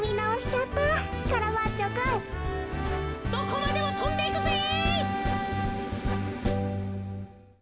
どこまでもとんでいくぜ。